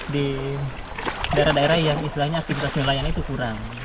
di daerah daerah yang istilahnya aktivitas nelayan itu kurang